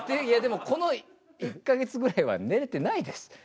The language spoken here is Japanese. いやでもこの１か月ぐらいは寝れてないです。